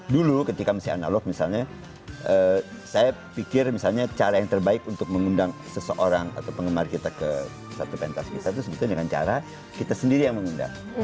dulu ketika masih analog misalnya saya pikir misalnya cara yang terbaik untuk mengundang seseorang atau penggemar kita ke satu pentas kita itu sebetulnya dengan cara kita sendiri yang mengundang